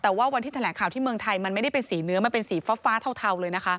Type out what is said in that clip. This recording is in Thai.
แต่ว่าวันที่แถลงข่าวที่เมืองไทยมันไม่ได้เป็นสีเนื้อมันเป็นสีฟ้าเทาเลยนะคะ